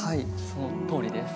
そのとおりです。